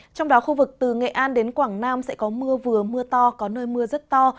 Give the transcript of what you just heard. trong đó khu vực từ nghệ an đến quảng nam sẽ có mưa vừa mưa to có nơi mưa rất to